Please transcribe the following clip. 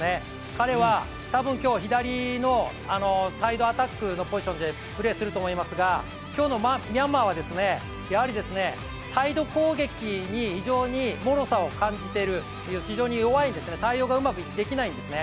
彼は多分、今日は左のサイドアタックのポジションでプレーすると思いますが今日のミャンマーはやはりサイド攻撃に以上にもろさを感じている非常に弱いんですねうまく対応できないんですね。